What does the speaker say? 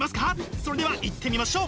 それではいってみましょう！